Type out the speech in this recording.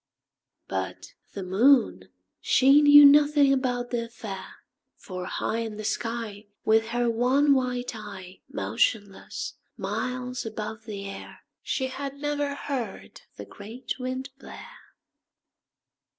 But the Moon, she knew nothing about the affair, For high In the sky, With her one white eye, Motionless, miles above the air, She had never heard the great Wind blare.